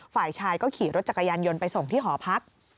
ฝ่ายชายก็ขี่รถจักรยานยนต์ไปส่งที่หอพัก